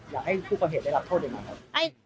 อยากให้ผู้ก่อเหตุได้รับโทษยังไงครับ